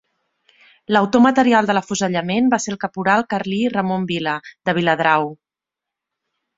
L'autor material de l'afusellament va ser el caporal carlí Ramon Vila, de Viladrau.